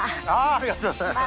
ありがとうございます。